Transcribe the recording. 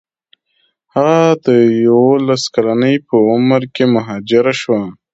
هغه د یوولس کلنۍ په عمر کې مهاجره شوه.